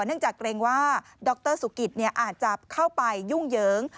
เนื่องจากเกรงว่าดรสุกิตอาจจะเข้าไปยุ่งเหยิง